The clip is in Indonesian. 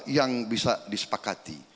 yang bisa disepakati